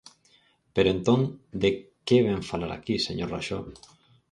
Pero, entón, ¿de que vén falar aquí, señor Raxó?